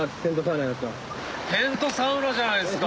テントサウナじゃないですか。